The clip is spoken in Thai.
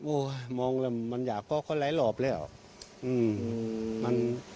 โอ้ยมองมันอยากก็เขาไร้หลอบเลยหรอ